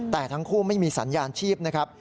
แต่ทั้งคู่ไม่มีสัญญาณชีพนะครับ